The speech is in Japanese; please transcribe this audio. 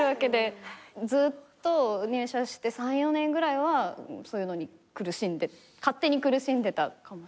ずっと入社して３４年ぐらいはそういうのに勝手に苦しんでたかもしれない。